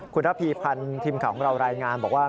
คุณระพีพันธ์ทีมข่าวของเรารายงานบอกว่า